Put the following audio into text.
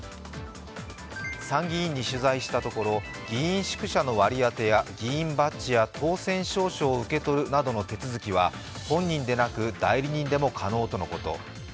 参議院に取材したところ、議員宿舎の割り当てや議員バッジや当選証書を受け取るなどの手続きは、本人でなく代理人でも可能とのこと。